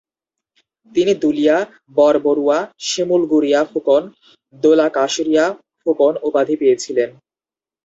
তিনি দুলীয়া বরবরুয়া, শিমুলগুরীয়া ফুকন, দোলাকাষরীয়া ফুকন উপাধী পেয়েছিলেন।